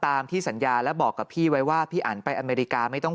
ตามที่สัญญาและบอกกับพี่ไว้ว่าพี่อันไปอเมริกาไม่ต้อง